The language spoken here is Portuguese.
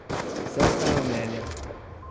Santa Amélia